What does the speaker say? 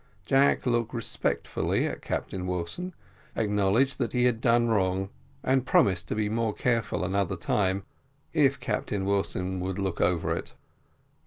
Jack looked respectfully to Captain Wilson, acknowledged that he had done wrong, and promised to be more careful another time, if Captain Wilson would look over it.